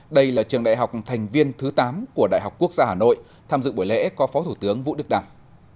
đây là trường đại học thành viên thứ tám của đại học quốc gia hà nội tham dự buổi lễ có phó thủ tướng vũ đức đảng